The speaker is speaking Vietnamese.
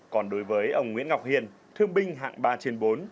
còn đối với ông nguyễn ngọc hiền thương binh hạng ba trên bốn